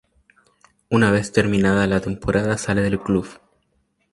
Una vez terminada la temporada sale del club.